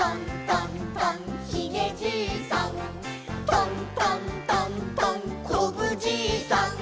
「トントントントンこぶじいさん」